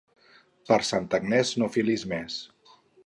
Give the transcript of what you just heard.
Per Santa Agnès no filis més.